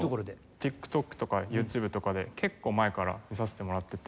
ＴｉｋＴｏｋとかＹｏｕＴｕｂｅとかで結構前から見させてもらってて。